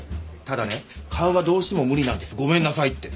ただね顔がどうしても無理なんですごめんなさいって。